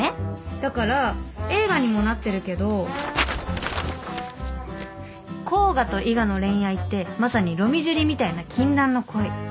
だから映画にもなってるけど甲賀と伊賀の恋愛ってまさに『ロミジュリ』みたいな禁断の恋。